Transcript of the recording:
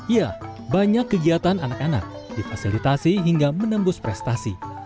ya banyak kegiatan anak anak difasilitasi hingga menembus prestasi